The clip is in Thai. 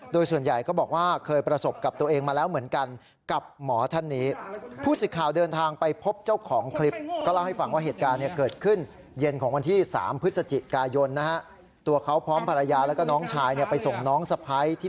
โดยส่วนใหญ่ก็บอกว่าเคยประสบกับตัวเองมาแล้วเหมือนกันกับหมอท่านนี้